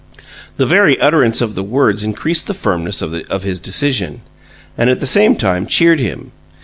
The very utterance of the words increased the firmness of his decision, and at the same time cheered him.